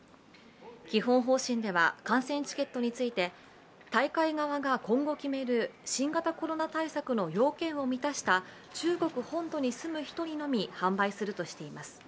基本方針では観戦チケットについて大会側が今後決める新型コロナ対策の要件を満たした中国本土に住む人にのみ販売するとしています。